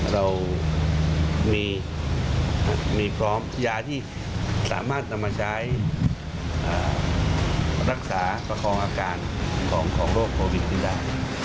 เรามีพร้อมยาที่สามารถนำมาใช้รักษาประคองอาการของโรคโควิดนี้ได้